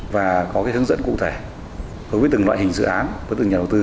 và có hướng dẫn cụ thể đối với từng loại hình dự án của từng nhà đầu tư